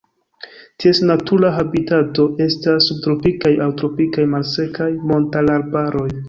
Ties natura habitato estas subtropikaj aŭ tropikaj malsekaj montararbaroj.